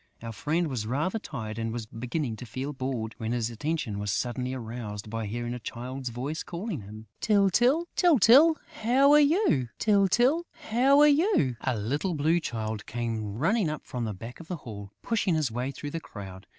Our friend was rather tired and was beginning to feel bored, when his attention was suddenly aroused by hearing a Child's voice calling him: "Tyltyl!... Tyltyl!... How are you, Tyltyl, how are you?..." A little Blue Child came running up from the back of the hall, pushing his way through the crowd.